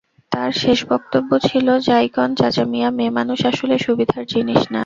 তার শেষ বক্তব্য ছিল, যাই কন চাচামিয়া, মেয়েমানুষ আসলে সুবিধার জিনিস না।